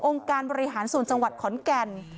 องค์การบริหารศูนย์จังหวัดขอนแก่น